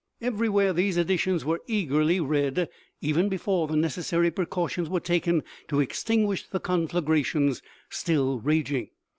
Everywhere these editions were eagerly read, even before the necessary precautions were taken to extinguish the conflagrations still raging.